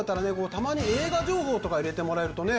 たまに映画情報とか入れてもらえるとね